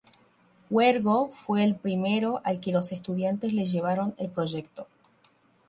Huergo fue el primero al que los estudiantes le llevaron el proyecto.